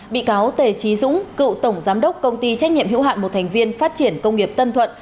bị cáo tề trí dũng cựu tổng giám đốc công ty trách nhiệm hữu hạn một thành viên phát triển công nghiệp tân thuận